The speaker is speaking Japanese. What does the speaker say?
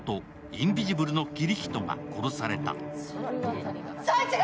インビジブルのキリヒトが殺された。